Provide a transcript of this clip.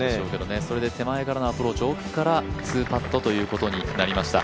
それで手前からのアプローチ奥から２パットということになりました。